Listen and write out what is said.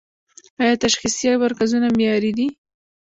آیا تشخیصیه مرکزونه معیاري دي؟